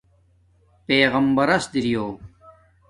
پیغمبراس دریݸ